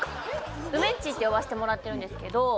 「うめっち」って呼ばせてもらってるんですけど